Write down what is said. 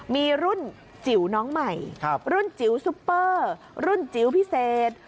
มีรุ่นจิ๋วน้องใหม่รุ่นจิ๋วซุปเปอร์รุ่นจิ๋วพิเศษ